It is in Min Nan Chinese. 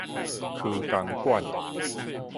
科工館